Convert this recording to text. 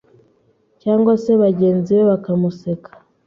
cyangwa se bagenzi be bakamuseka